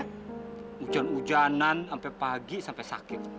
hujan hujanan sampai pagi sampai sakit